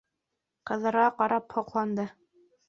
Ҡыҙҙарға ҡарап һоҡланды.